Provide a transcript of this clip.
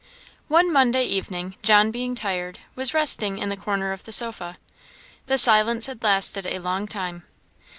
One Monday evening, John being tired, was resting in the corner of the sofa. The silence had lasted a long time.